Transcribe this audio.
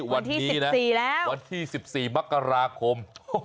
วันที่สิบสี่แล้ววันที่สิบสี่มักราคม